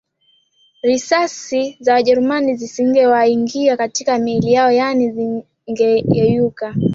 risasi za Wajerumani zisingewaingia katika miili yao yaani zingeyeyuka